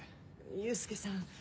裕介さん。